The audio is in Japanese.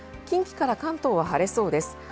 近畿から関東は晴れそうです。